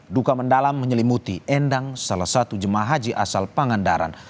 duka mendalam menyelimuti endang salah satu jemaah haji asal pangandaran